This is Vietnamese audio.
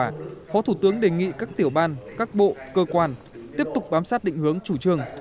trong đó phó thủ tướng đề nghị các tiểu ban các bộ cơ quan tiếp tục bám sát định hướng chủ trường